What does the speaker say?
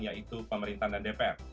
yaitu pemerintah dan dpr